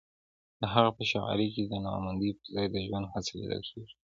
د هغه په شاعرۍ کې د ناامیدۍ پر ځای د ژوند هڅه لیدل کېږي.